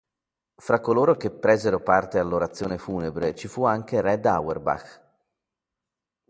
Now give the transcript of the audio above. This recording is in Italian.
Fra coloro che presero parte all'orazione funebre ci fu anche Red Auerbach.